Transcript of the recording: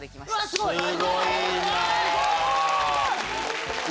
すごいな。